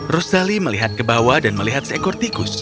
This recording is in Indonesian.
rosali melihat ke bawah dan melihat seekor tikus